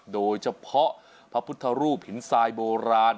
โดยเฉพาะพระพุทธรูปหินทรายโบราณ